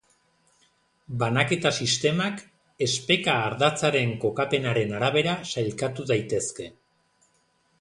Banaketa-sistemak espeka-ardatzaren kokapenaren arabera sailkatu daitezke.